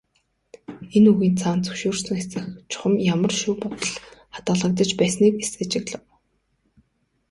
Энэ үгийн цаана зөвшөөрсөн эсэх, чухам ямар шүү бодол хадгалагдаж байсныг эс ажиглав.